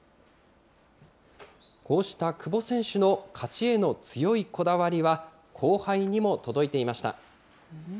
こうした久保選手の勝ちへの強いこだわりは、後輩にも届いていました。